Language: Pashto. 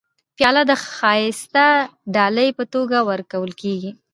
پیاله د ښایسته ډالۍ په توګه ورکول کېږي.